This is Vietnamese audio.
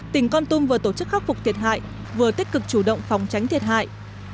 tỉnh con tum vừa tổ chức khắc phục thiệt hại vừa tích cực chủ động phòng tránh thiệt hại